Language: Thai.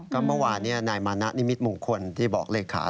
ก็เมื่อวานนายมานะนิมิตมงคลที่บอกเลขา